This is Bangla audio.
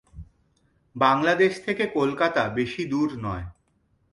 বাংলাদেশ থেকে কলকাতা বেশি দূর নয়।